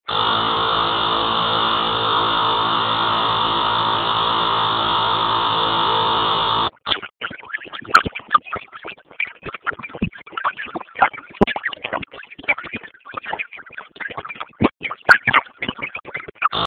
قدرت د ژوند د دوام ضامن دی.